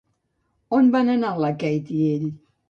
On van anar la Kate i ell?